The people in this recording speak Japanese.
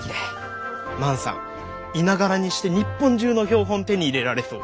万さん居ながらにして日本中の標本を手に入れられそう。